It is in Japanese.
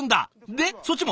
でそっちも？